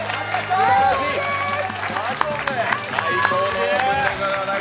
すばらしい！